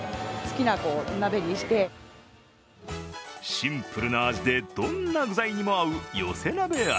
シンプルな味で、どんな具材にも合う寄せ鍋味。